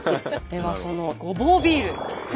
ではそのごぼうビール。